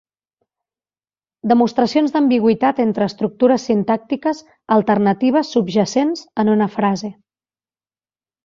Demostracions d'ambigüitat entre estructures sintàctiques alternatives subjacents en una frase.